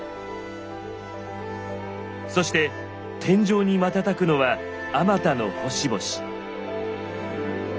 そして天井に瞬くのはあまたの星々。